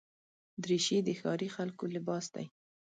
دریشي د ښاري خلکو لباس دی.